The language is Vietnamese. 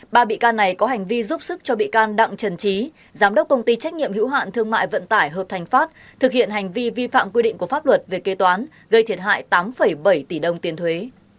ba bị can này có hành vi giúp sức cho bị can đặng trần trí giám đốc công ty trách nhiệm hữu hạn thương mại vận tải hợp thành pháp thực hiện hành vi vi phạm quy định của pháp luật về kế toán gây thiệt hại tám bảy tỷ đồng tiền thuế